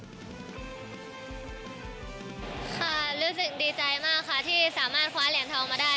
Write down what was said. รู้สึกดีใจมากค่ะที่สามารถคว้าเหรียญทองมาได้